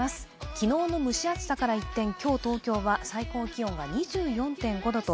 昨日の蒸し暑さから一転、今日東京は最高気温２４．５度と